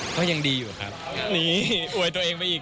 ก็ยังดีอยู่ครับหนีอวยตัวเองไปอีก